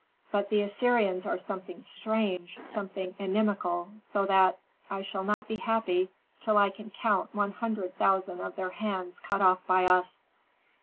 "But the Assyrians are something strange, something inimical, so that I shall not be happy till I can count one hundred thousand of their hands cut off by us."